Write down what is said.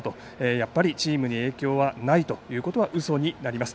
やっぱりチームに影響はないということはうそになります。